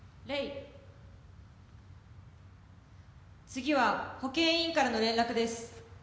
次は保健委員からの連絡です。